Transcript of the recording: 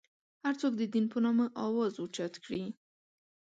هر څوک د دین په نامه اواز اوچت کړي.